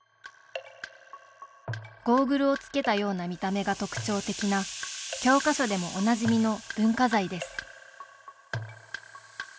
ゴーグルをつけたような見た目が特徴的な教科書でもおなじみの文化財です